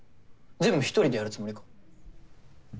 全部一人でやるつもりか？